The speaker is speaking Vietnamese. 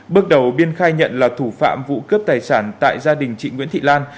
bước đầu biên khai nhận là thủ phạm vụ cướp tài sản tại gia đình chị nguyễn thị lan